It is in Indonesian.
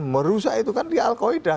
merusak itu kan di al qaeda